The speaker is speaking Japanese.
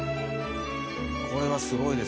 これはすごいですね。